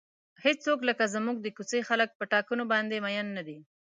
هیڅوک لکه زموږ د کوڅې خلک په ټاکنو باندې مین نه دي.